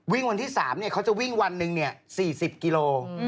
วิ่งวันที่๓เขาจะวิ่งวันหนึ่ง๔๐กิโลกรัม